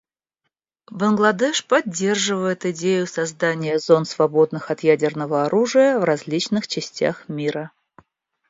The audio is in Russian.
Бангладеш поддерживает идею создания зон, свободных от ядерного оружия, в различных частях мира.